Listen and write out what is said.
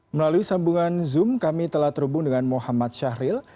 melalui sambungan zoom kami telah terhubung dengan muhammad syahril